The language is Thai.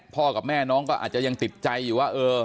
กับแม่น้องก็อาจจะยังติดใจอยู่ว่า